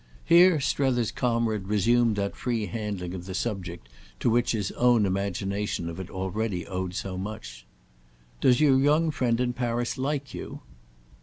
Here Strether's comrade resumed that free handling of the subject to which his own imagination of it already owed so much. "Does your young friend in Paris like you?"